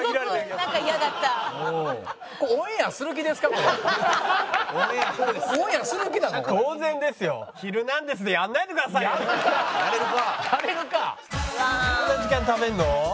こんな時間に食べるの？